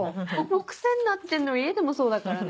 癖になってんの家でもそうだからね。